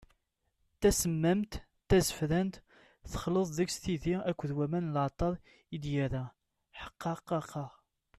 D tasemmamt, d tazefrant, texleḍ deg-s tidi akked waman n leɛṭer i d-yerra, ḥqaḥqa!